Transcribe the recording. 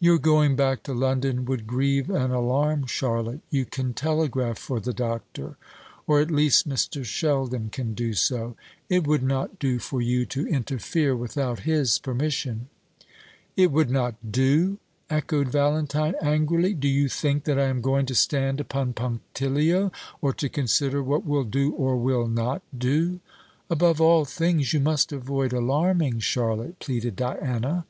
"Your going back to London would grieve and alarm Charlotte. You can telegraph for the doctor; or, at least, Mr. Sheldon can do so. It would not do for you to interfere without his permission." "It would not do!" echoed Valentine, angrily. "Do you think that I am going to stand upon punctilio, or to consider what will do or will not do?" "Above all things, you must avoid alarming Charlotte," pleaded Diana.